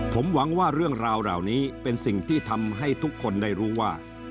ผมหวังว่าเรื่องราวเหล่านี้เป็นสิ่งที่ทำให้ทุกคนได้รู้ว่า